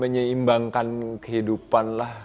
menyeimbangkan kehidupan lah